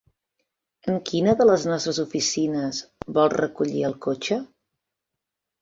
En quina de les nostres oficines vol recollir el cotxe?